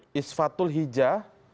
kis fatul hijah